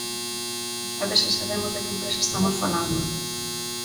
¡A ver se sabemos de que empresa estamos falando!